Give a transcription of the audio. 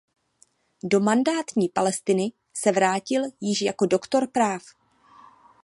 Do mandátní Palestiny se vrátil již jako doktor práv.